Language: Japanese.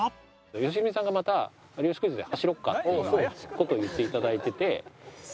良純さんがまた『有吉クイズ』で走ろうかっていう事を言って頂いてて。